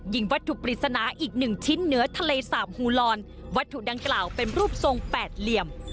วัตถุปริศนาอีก๑ชิ้นเหนือทะเลสาบฮูลอนวัตถุดังกล่าวเป็นรูปทรงแปดเหลี่ยม